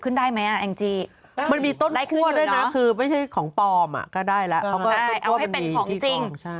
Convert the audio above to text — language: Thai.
ก็ได้แล้วเขาก็ต้นบ่วนเป็นของจริง